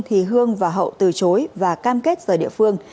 thì hương và hậu từ chối và cam kết rời địa phương